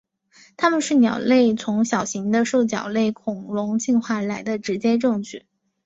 它们是鸟类从小型的兽脚类恐龙进化而来的直接证据。